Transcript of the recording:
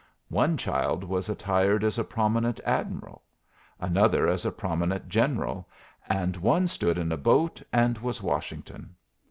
One child was attired as a prominent admiral; another as a prominent general; and one stood in a boat and was Washington.